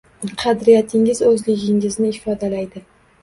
Qadriyatingiz o’zligingizni ifodalaydi